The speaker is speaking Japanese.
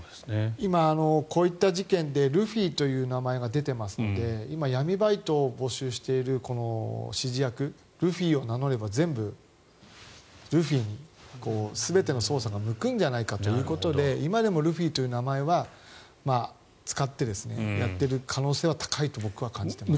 今、こういった事件でルフィという名前が出てますので今、闇バイトを募集している指示役はルフィを名乗れば全部ルフィに全ての捜査が向くんじゃないかということで今でもルフィという名前は使って、やっている可能性は高いと僕は感じています。